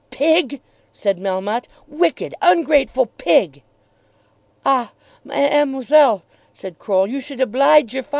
"Pig!" said Melmotte, "wicked, ungrateful pig." "Ah, Ma'am moiselle," said Croll, "you should oblige your fader."